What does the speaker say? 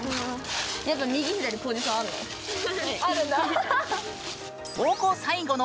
やっぱ右左ポジションあるの？